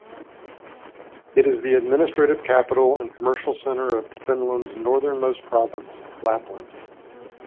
It is the administrative capital and commercial centre of Finland's northernmost province, Lapland.